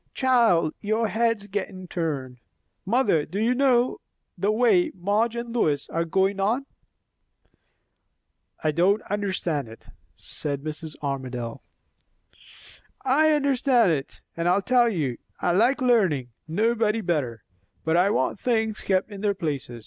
"Child, your head's gettin' turned. Mother, do you know the way Madge and Lois are goin' on?" "I don't understand it," said Mrs. Armadale. "I understand it. And I'll tell you. I like learning, nobody better; but I want things kept in their places.